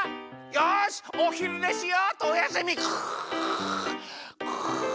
よしおひるねしようっとおやすみググ。